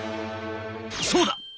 そうだ！